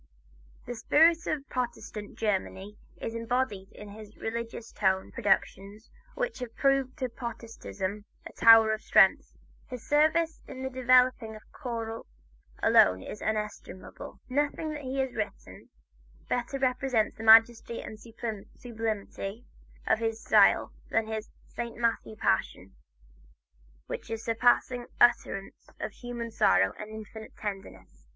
The spirit of Protestant Germany is embodied in his religious tone productions which have proved to Protestantism a tower of strength. His service in developing the choral alone is inestimable. Nothing that he has written, better represents the majesty and sublimity of his style than his "Saint Matthew Passion" with its surpassing utterances of human sorrow and infinite tenderness.